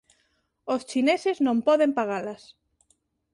Os chineses non poden pagalas.